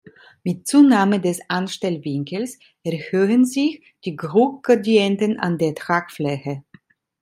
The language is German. Mit Zunahme des Anstellwinkels erhöhen sich die Druckgradienten an der Tragfläche.